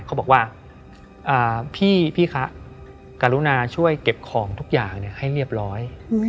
เขาบอกว่าพี่คะกรุณาช่วยเก็บของทุกอย่างให้เรียบร้อย